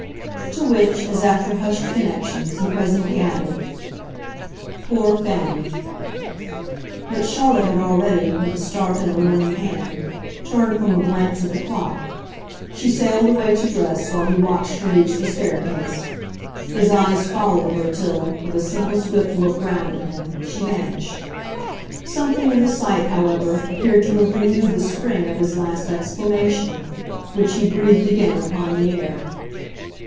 To which, as after hushed connections, he presently added: "Poor Fanny!" But Charlotte had already, with a start and a warning hand, turned from a glance at the clock. She sailed away to dress, while he watched her reach the staircase. His eyes followed her till, with a simple swift look round at him, she vanished. Something in the sight, however, appeared to have renewed the spring of his last exclamation, which he breathed again upon the air.